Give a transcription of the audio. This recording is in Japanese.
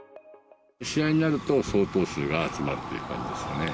試合になると、相当数が集まるという感じですよね。